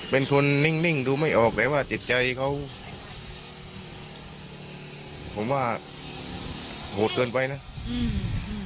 เป็นคนนิ่งนิ่งดูไม่ออกแต่ว่าจิตใจเขาผมว่าโหดเกินไปนะอืม